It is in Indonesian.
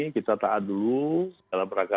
kita taat dulu dalam rangka